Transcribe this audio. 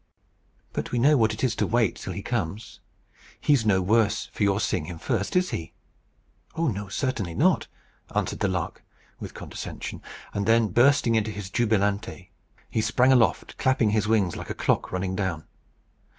"But we know what it is to wait till he comes. He's no worse for your seeing him first, is he?" "Oh no, certainly not," answered the lark, with condescension, and then, bursting into his Jubilate, he sprang aloft, clapping his wings like a clock running down.